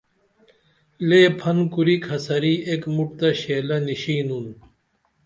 لے پھن کُرے کھسری ایک مُٹ تہ شیلہ نیشینُن